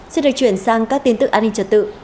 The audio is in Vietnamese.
xin được chuyển sang các tin tức an ninh trật tự